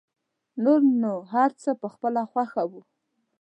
نور نو هر څوک په خپله خوښه و.